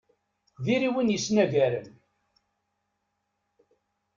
Diri win yesnagaren.